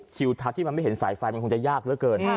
ทัศน์ที่มันไม่เห็นสายไฟมันคงจะยากเหลือเกิน